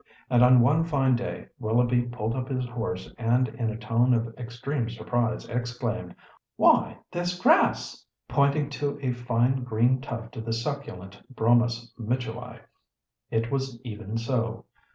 And on one fine day Willoughby pulled up his horse, and in a tone of extreme surprise exclaimed, "Why, there's grass!" pointing to a fine green tuft of the succulent Bromus Mitchelli. It was even so.